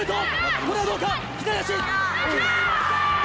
これはどうか、左足。